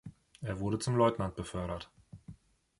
Er wurde zum Leutnant befördert.